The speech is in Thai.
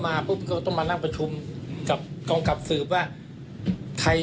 ปุ๊บก็ต้องมานั่งประชุมกับกองกับสืบว่าใคร